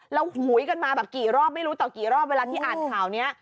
แล้วหุยกันมาแบบกี่รอบไม่รู้ต่อกี่รอบเวลาที่อ่านข่าวนี้